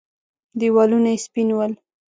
دېوالونه يې سپين ول.